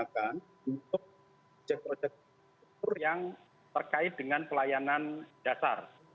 untuk proyek proyek yang terkait dengan pelayanan dasar